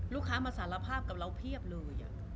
ลูกค้ามาสารภาพกับเราเพียบเลย